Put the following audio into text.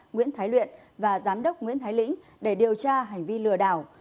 nguyễn thái luyện và giám đốc nguyễn thái lĩnh để điều tra hành vi lừa đảo